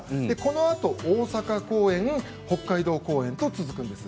このあと大阪公演北海道公演と続くんです。